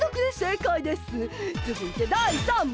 つづいて第３問！